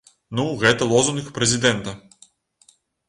Ну, гэта лозунг прэзідэнта.